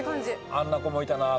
あんな子もいたなあ